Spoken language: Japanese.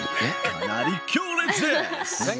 かなり強烈です！